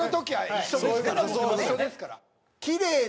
一緒ですから。